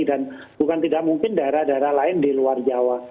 dan bukan tidak mungkin daerah daerah lain di luar jawa